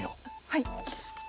はい。